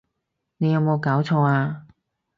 你有無攪錯呀！